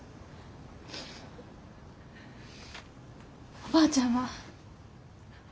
おばあちゃんは？